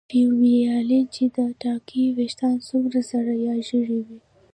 فیومیلانین چې دا ټاکي ویښتان څومره سره یا ژېړ وي.